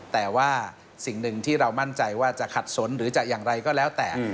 แต่ว่าสิ่งหนึ่งที่เรามั่นใจว่าจะขัดสนหรือจะอย่างไรก็แล้วแต่